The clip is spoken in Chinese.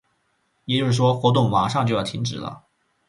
也就是说，活动马上就要停止了。